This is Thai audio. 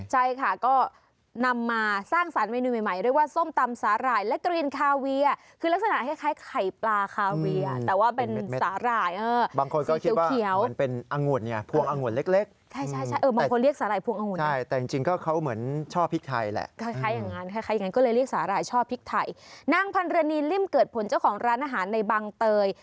ใช่ค่ะก็นำมาสร้างสารเมนูใหม่เรียกว่าส้มตำสาหร่ายและกลิ่นคาเวีย